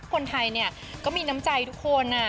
คนไทยเนี่ยก็มีน้ำใจทุกคน